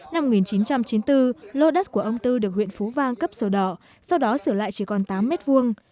năm một nghìn chín trăm chín mươi bốn lô đất của ông tư được huyện phú vang cấp sổ đỏ sau đó sửa lại chỉ còn tám mét vuông